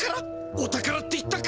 お宝って言ったか！？